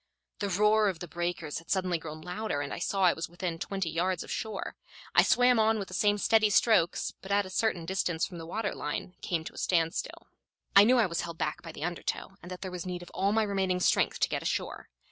The roar of the breakers had suddenly grown louder, and I saw I was within twenty yards of shore. I swam on with the same steady strokes, but at a certain distance from the water line came to a standstill. I knew I was held back by the undertow, and that there was need of all my remaining strength to get ashore.